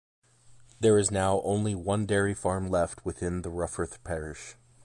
There is now only one dairy farm left within the Rufforth parish.